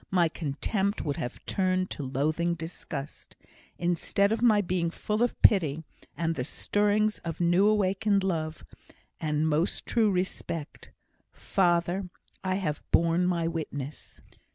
my contempt would have turned to loathing disgust, instead of my being full of pity, and the stirrings of new awakened love, and most true respect. Father, I have borne my witness!"